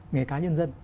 nghề cá nhân dân